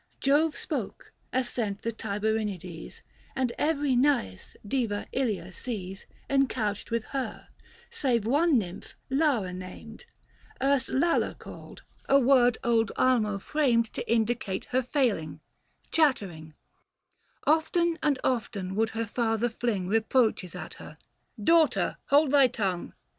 Jove spoke — assent the Tiberinides, And every Nais, Diva Ilia sees, [640 Encouched with her : save one Nymph, Lara named, Erst Lalla called, # word old Almo framed To indicate her failing — chattering : Often and often would her father fling Reproaches at her —" Daughter, hold thy tongue."